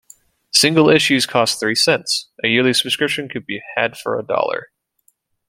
Single issues cost three cents; a yearly subscription could be had for a dollar.